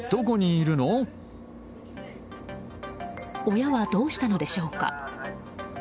親はどうしたのでしょうか？